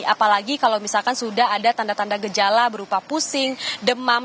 apalagi kalau misalkan sudah ada tanda tanda gejala berupa pusing demam